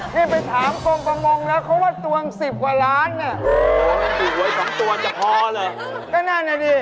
นี่ไปถามกรงประมงแล้วเค้าว่าตวงสิบกว่าล้านน่ะ